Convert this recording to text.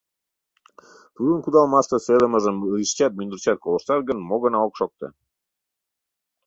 Тудын кудалмаште сӧйлымыжым лишычат, мӱндырчат колыштат гын, мо гына ок шокто!